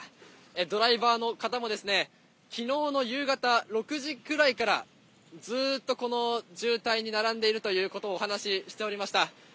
ドライバーの方も、きのうの夕方６時ぐらいから、ずーっとこの渋滞に並んでいるということをお話ししておりました。